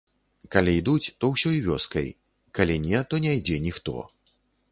Калі ідуць, то ўсёй вёскай, калі не, то не ідзе ніхто.